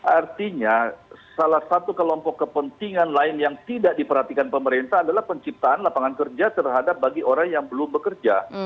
artinya salah satu kelompok kepentingan lain yang tidak diperhatikan pemerintah adalah penciptaan lapangan kerja terhadap bagi orang yang belum bekerja